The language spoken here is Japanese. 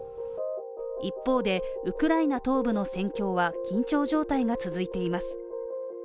一方で、ウクライナ東部の戦況は緊張状態が続いています。